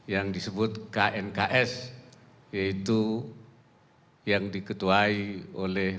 yang disebut knks yaitu yang diketuai oleh